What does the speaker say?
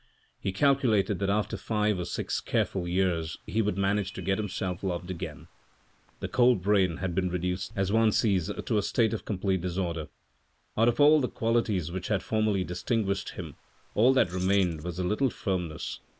He calculated that after five or six careful years he would manage to get himself loved again. This cold brain had been reduced, as one sees, to a state of complete disorder. Out of all the qualities which had formerly distinguished him, all that remained was a little firmness.